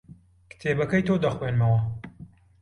کتێبەکەی تۆ دەخوێنمەوە.